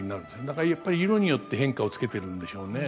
だからやっぱり色によって変化をつけてるんでしょうね。